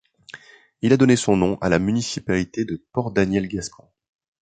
Il a donné son nom à la municipalité de Port-Daniel–Gascons.